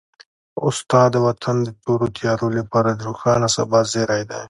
استاد د وطن د تورو تیارو لپاره د روښانه سبا زېری دی.